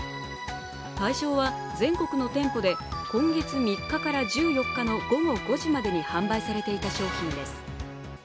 対象は全国の店舗で今月３日から１４日の午後５時までに販売されていた商品です。